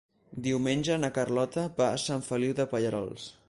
Diumenge na Carlota va a Sant Feliu de Pallerols.